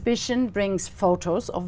và đi ra ngoài hồ chí minh